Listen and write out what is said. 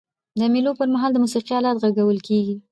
د مېلو پر مهال د موسیقۍ آلات ږغول کيږي.